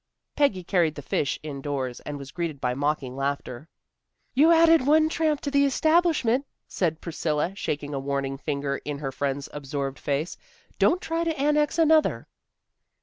Peggy carried the fish indoors, and was greeted by mocking laughter. "You've added one tramp to the establishment," said Priscilla, shaking a warning finger in her friend's absorbed face; "don't try to annex another."